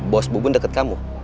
bos bu bun deket kamu